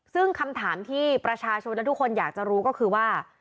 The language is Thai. ซึ่งคำถามที่ประชาชนและทุกคนอยากจะรู้ก็คือว่า